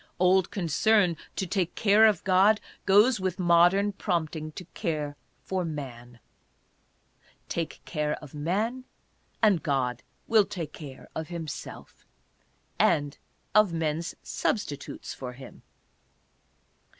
Old concern to take care of God goes with modern prompting to care for man. Take care of man, and God will take care of himself — and of men's substitutes for him.